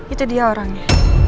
itu dia orangnya